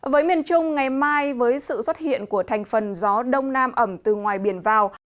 với miền trung ngày mai với sự xuất hiện của thành phần gió đông nam ẩm từ ngoài biển vào